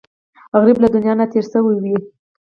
غریب له دنیا نه تېر شوی وي